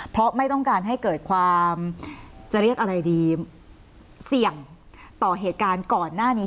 เพราะไม่ต้องการให้เกิดความจะเรียกอะไรดีเสี่ยงต่อเหตุการณ์ก่อนหน้านี้